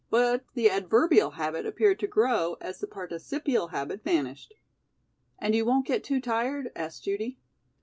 But the adverbial habit appeared to grow as the participial habit vanished. "And you won't get too tired?" asked Judy.